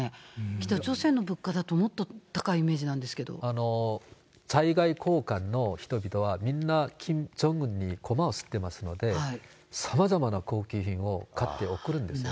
北朝鮮の物価だと、もっと高いイ在外公館の人々は、みんなキム・ジョンウンにごまをすってますので、さまざまな高級品を買って送るんですよ。